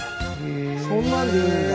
そんなんでいいんだ。